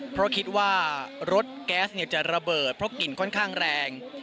เพราะคิดว่ารถแก๊สจะระเบิดเพราะกลิ่นค่อนข้างแรง